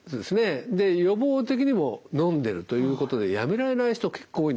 で予防的にものんでるということでやめられない人結構多いんですね。